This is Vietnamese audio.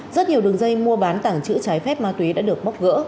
rất nhiều đường dây mua bán tảng chữ trái phép ma túy đã được bóc gỡ